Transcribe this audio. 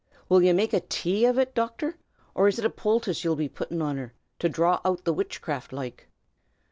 Will ye make a tay av it, Docthor, or is it a poultuss ye'll be puttin' an her, to dhraw out the witchcraft, loike?"